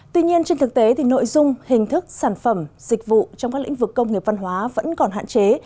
tuy nhiên trên thực tế nội dung hình thức sản phẩm dịch vụ trong các lĩnh vực công nghiệp văn hóa vẫn còn hạn chế